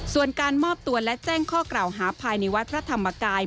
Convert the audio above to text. ส่วนการมอบตัวและแจ้งข้อกล่าวหาภายในวัดพระธรรมกาย